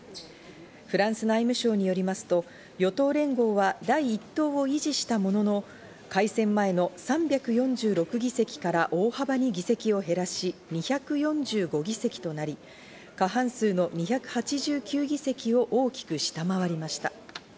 フランス内務省によりますと、与党連合は第１党を維持したものの、改選前の３４６議席から大幅に議席を減らし２４５議席となり、過半数の２８９議席を大きく下回りました。